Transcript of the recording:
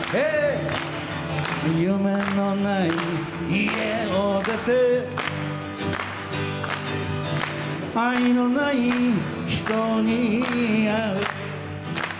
「夢のない家を出て愛のない人にあう」